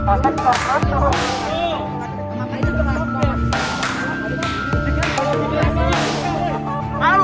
terkait wacana penunjukan